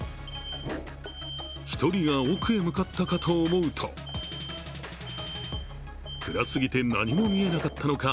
１人が奥へ向かったかと思うと暗すぎて何も見えなかったのか